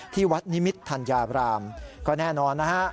ที่วัดนิมิตรธัญญาบรามก็แน่นอนนะฮะ